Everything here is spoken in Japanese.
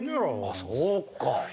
あそうか。